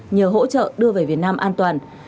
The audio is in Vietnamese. nhờ hỗ trợ đưa về việt nam an toàn